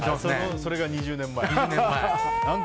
それが２０年前ですか。